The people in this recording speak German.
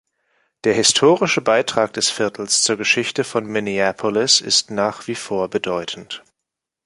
Der historische Beitrag des Viertels zur Geschichte von Minneapolis ist nach wie vor bedeutend.